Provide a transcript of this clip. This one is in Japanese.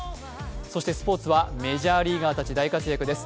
そしてスポーツは、メジャーリーガーたち、大活躍です。